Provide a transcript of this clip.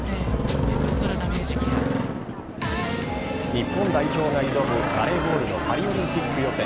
日本代表が挑むバレーボールのパリオリンピック予選